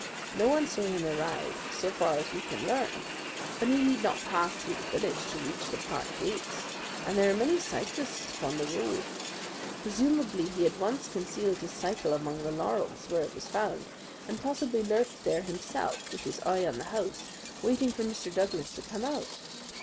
No one saw him arrive, so far as we can learn; but he need not pass through the village to reach the park gates, and there are many cyclists upon the road. Presumably he at once concealed his cycle among the laurels where it was found, and possibly lurked there himself, with his eye on the house, waiting for Mr. Douglas to come out.